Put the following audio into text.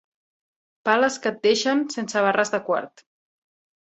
Pales que et deixen sense barres de quart.